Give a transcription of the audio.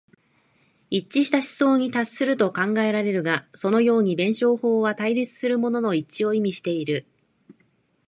一致した思想に達すると考えられるが、そのように弁証法は対立するものの一致を意味している。